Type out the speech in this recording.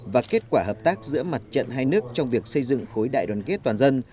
và kết quả hợp tác giữa mặt trận hai nước trong việc xây dựng khối đại đoàn kết toàn dân